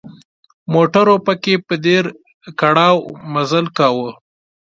موټرو پکې په ډېر کړاو مزل کاوه.